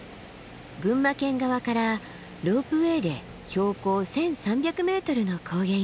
群馬県側からロープウエーで標高１，３００ｍの高原へ。